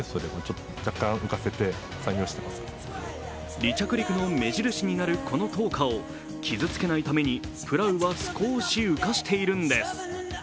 離着陸の目印になるこの灯火を傷つけないためにプラウは少し浮かしているんです。